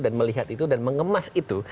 dan melihat itu dan mengemas itu